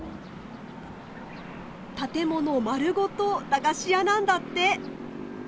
建物丸ごと駄菓子屋なんだって。